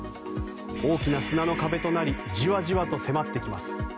大きな砂の壁となりじわじわと迫ってきます。